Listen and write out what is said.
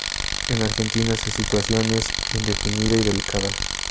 En Argentina su situación es indefinida y delicada.